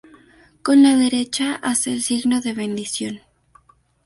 Con la derecha, hace el signo de bendición.